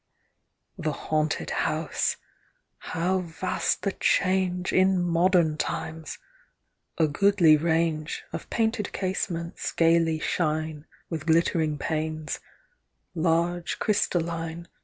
The Haunted House !— how vast the change In modem times ! A goodly range Of painted casements gaily shine With glittering panes ; large crystalline.